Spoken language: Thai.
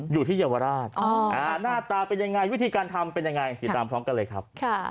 อยู่ที่เยาวราชหน้าตาเป็นยังไงวิธีการทำเป็นยังไงติดตามพร้อมกันเลยครับ